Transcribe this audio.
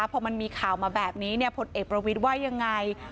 พอมันมีข่าวมาแบบนี้ผลเอกประวิทย์ว่ายังไง